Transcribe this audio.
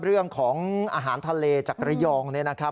เรื่องของอาหารทะเลจากระยองเนี่ยนะครับ